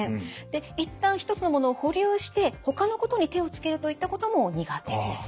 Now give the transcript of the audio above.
で一旦一つのものを保留してほかのことに手をつけるといったことも苦手です。